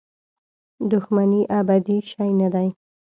دښمني ابدي شی نه دی.